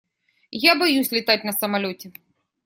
Я боюсь летать на самолёте.